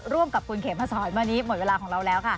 ร่วมกับคุณเขมสอนวันนี้หมดเวลาของเราแล้วค่ะ